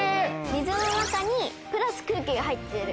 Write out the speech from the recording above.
水の中にプラス空気が入っている。